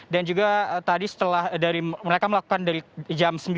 dan juga tadi setelah mereka melakukan dari jam sembilan